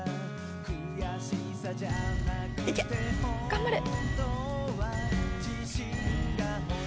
頑張れ。